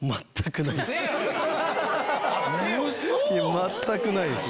全くないですね。